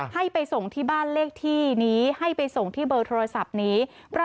ให้ไปส่งที่บ้านเลขที่นี้